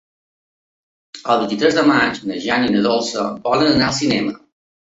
El vint-i-tres de maig na Jana i na Dolça volen anar al cinema.